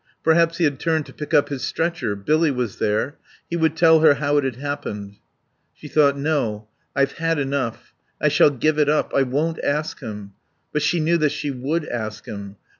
Perhaps he had turned to pick up his stretcher. Billy was there. He would tell her how it had happened. She thought: No. I've had enough. I shall give it up. I won't ask him. But she knew that she would ask him.